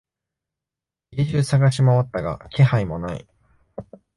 家中探しまわったが気配もない。